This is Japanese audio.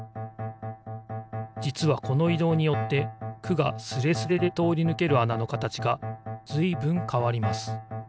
じつはこのいどうによって「く」がスレスレでとおりぬけるあなのかたちがずいぶんかわります。